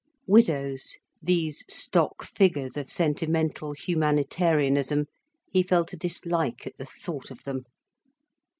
Widows, these stock figures of sentimental humanitarianism, he felt a dislike at the thought of them.